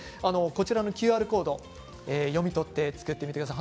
ＱＲコードを読み取って作ってみてください。